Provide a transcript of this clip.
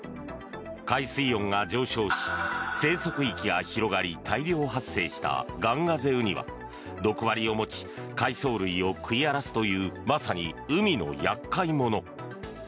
海水温が上昇し生息域が広がり大量発生したガンガゼウニは毒針を持ち海藻類を食い荒らすというまさに海の厄介者。